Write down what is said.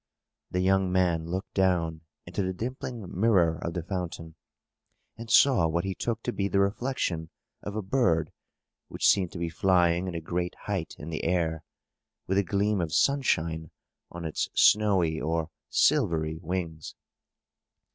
The young man looked down into the dimpling mirror of the fountain, and saw what he took to be the reflection of a bird which seemed to be flying at a great height in the air, with a gleam of sunshine on its snowy or silvery wings.